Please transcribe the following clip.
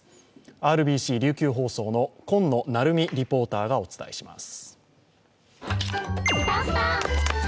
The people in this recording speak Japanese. ＲＢＣ琉球放送の今野成美リポーターがお伝えします。